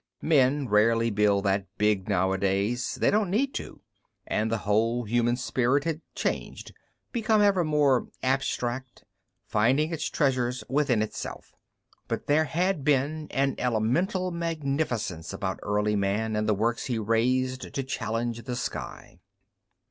Men rarely built that big nowadays, they didn't need to; and the whole human spirit had changed, become ever more abstract, finding its treasures within itself. But there had been an elemental magnificence about early man and the works he raised to challenge the sky.